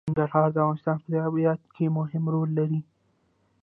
ننګرهار د افغانستان په طبیعت کې مهم رول لري.